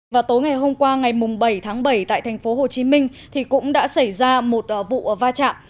và tối ngày hôm qua ngày bảy tháng bảy tại thành phố hồ chí minh thì cũng đã xảy ra một vụ va chạm